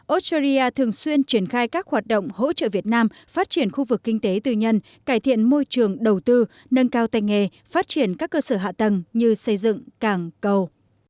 australia thường xuyên triển khai các hoạt động hỗ trợ việt nam phát triển khu vực kinh tế tư nhân cải thiện môi trường đầu tư nâng cao tay nghề phát triển các cơ sở hạ tầng như xây dựng cảng cầu